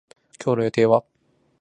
今日の予定は